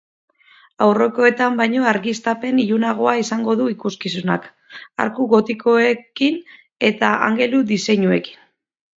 Aurrekoetan baino argiztapen ilunagoa izango du ikuskizunak, arku gotikoekin eta angelu diseinuekin.